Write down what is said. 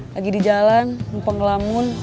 lagi di jalan lupa ngelamun